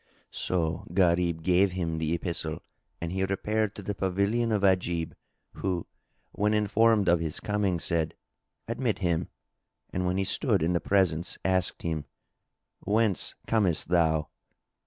So Gharib gave him the epistle and he repaired to the pavilion of Ajib who, when informed of his coming, said, "Admit him!" and when he stood in the presence asked him, "Whence comest thou?"